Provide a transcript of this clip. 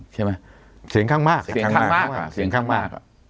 เสียงข้างมากเสียงข้างมากเสียงข้างมาก